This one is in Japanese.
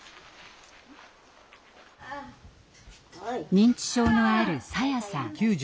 認知症のあるさやさん。